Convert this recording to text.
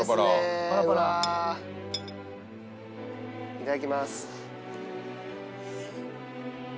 いただきます。